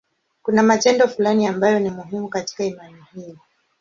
Kuna matendo fulani ambayo ni muhimu katika imani hiyo.